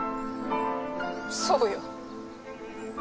そうよ。